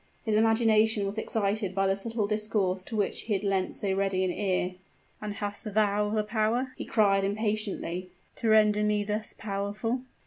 His imagination was excited by the subtle discourse to which he had lent so ready an ear. "And hast thou the power," he cried impatiently, "to render me thus powerful?"